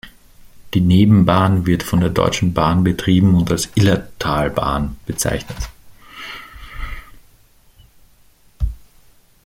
Die Nebenbahn wird von der Deutschen Bahn betrieben und als "Illertalbahn" bezeichnet.